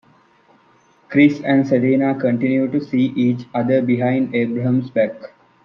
Chris and Selena continue to see each other behind Abraham's back.